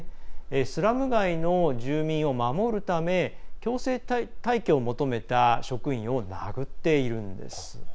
スラム街の住民を守るため強制退去を求めた職員を殴っているんです。